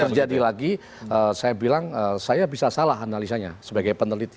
terjadi lagi saya bilang saya bisa salah analisanya sebagai peneliti